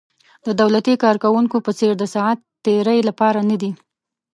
د دولتي کارکوونکو په څېر د ساعت تېرۍ لپاره نه دي.